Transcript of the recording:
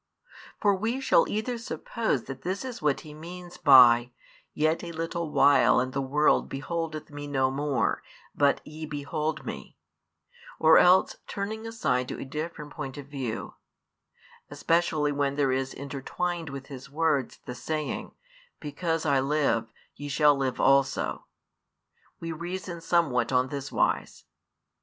For we shall either suppose that this is what He means by Yet a little while and the world beholdeth Me no more; but ye behold Me; or else turning aside to a different point of view especially when there is intertwined with His words the saying Because I live, ye shall live also we reason somewhat on this wise.